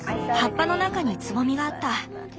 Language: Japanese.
葉っぱの中につぼみがあった。